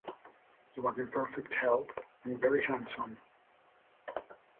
He was in perfect health and very handsome.